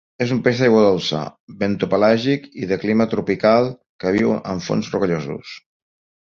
És un peix d'aigua dolça, bentopelàgic i de clima tropical que viu en fons rocallosos.